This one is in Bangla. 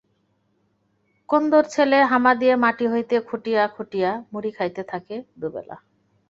কুন্দর ছেলে হামা দিয়া মাটি হইতে খুঁটিয়া খুঁটিয়া মুড়ি খাইতে থাকে দুবেলা।